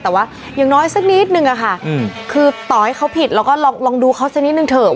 แต่ว่าอย่างน้อยสักนิดนึงอะค่ะคือต่อให้เขาผิดเราก็ลองดูเขาสักนิดนึงเถอะ